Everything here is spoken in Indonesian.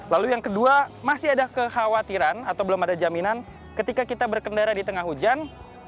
lalu yang kedua masih ada kekhawatiran atau belum ada jaminan ketika kita berkendara di tengah hujan